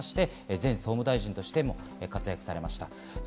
前総務大臣としても活躍されました。